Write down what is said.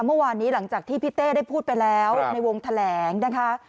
เมื่อวานนี้หลังจากที่พี่เต้ได้พูดไปแล้วในวงแถลงนะคะ